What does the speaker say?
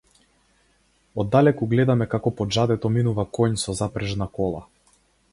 Оддалеку гледаме како по џадето минува коњ со запрежна кола.